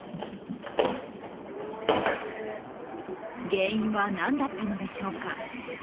原因は何だったのでしょうか。